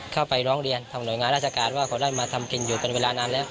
เข้าไปร้องเรียนทางหน่วยงานราชการว่าเขาได้มาทำกินอยู่เป็นเวลานานแล้ว